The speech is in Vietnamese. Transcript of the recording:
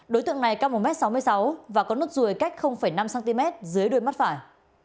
đối tượng này cao một m sáu mươi sáu và có nốt ruồi cách năm cm dưới đuôi mắt phải